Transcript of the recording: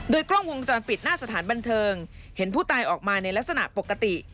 กล้องวงจรปิดหน้าสถานบันเทิงเห็นผู้ตายออกมาในลักษณะปกติ